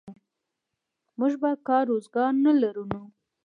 موږ به کار روزګار نه لرو نو.